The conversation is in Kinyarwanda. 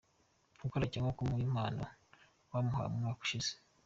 Gukora cyangwa kumuha impano wamuhaye umwaka ushize.